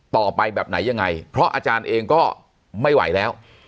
ต่อไปแบบไหนยังไงเพราะอาจารย์เองก็ไม่ไหวแล้ว